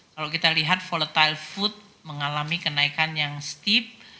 kalau kita lihat volatile food mengalami kenaikan yang stip